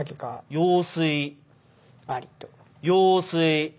用水。